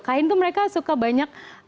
kain tuh mereka suka banyak